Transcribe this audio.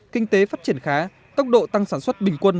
kinh tế phát triển khá tốc độ tăng sản xuất bình quân